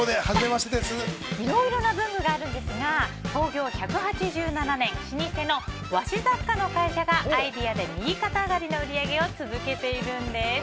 いろいろな文具があるんですが創業１８７年老舗の会社がアイデアで右肩上がりの売上を続けているんです。